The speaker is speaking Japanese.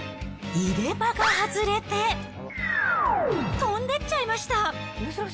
入れ歯が外れて、飛んでっちゃいました。